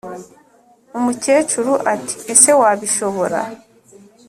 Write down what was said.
” umukecuru ati:” ese wabishobora,